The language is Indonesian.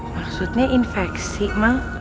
maksudnya infeksi ma